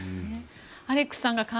アレックスさん